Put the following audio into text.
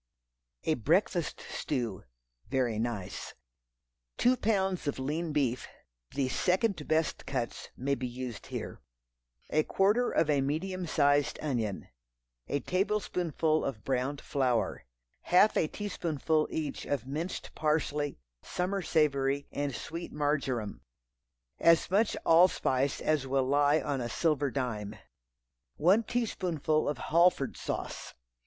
A Breakfast Stew (very nice). Two pounds of lean beef. (The "second best cuts" may be used here.) A quarter of a medium sized onion. A tablespoonful of browned flour. Half a teaspoonful each of minced parsley, summer savory, and sweet marjoram. As much allspice as will lie on a silver dime. One teaspoonful of Halford sauce.